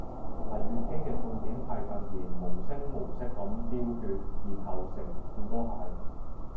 嚟月經嘅重點係突然無聲無息噉飆血然後成褲都係